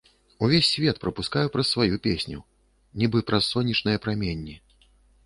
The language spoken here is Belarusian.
Увесь свет прапускаю праз сваю песню, нібы праз сонечныя праменні.